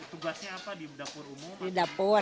tugasnya apa di dapur umum